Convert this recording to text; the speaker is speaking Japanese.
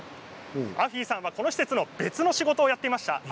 アフィさんさんはこの施設の別の仕事をやっていました。